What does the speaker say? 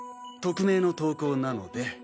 匿名の投稿なので。